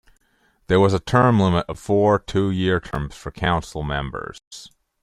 There was a term limit of four two-year terms for council members.